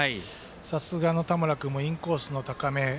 さすがの田村君もインコースの高め。